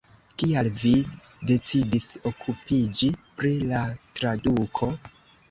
Kial vi decidis okupiĝi pri la traduko?